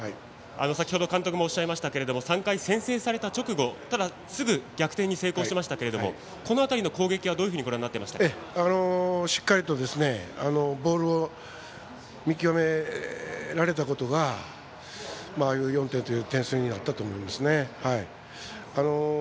先程、監督もおっしゃいましたけれども３回に先制された直後すぐに逆転に成功しましたがこの辺りの攻撃はどういうふうにしっかりとボールを見極められたことが４点という点数になったと思いますね。